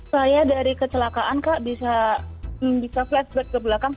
saya dari kecelakaan kak bisa flashback ke belakang